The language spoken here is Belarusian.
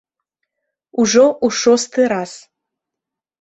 Ужо ў шосты раз.